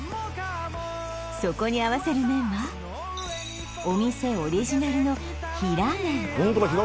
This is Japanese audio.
そこに合わせる麺はお店オリジナルの平麺